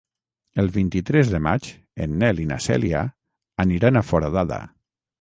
El vint-i-tres de maig en Nel i na Cèlia aniran a Foradada.